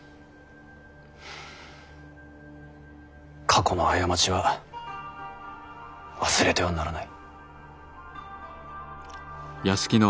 過去の過ちは忘れてはならない。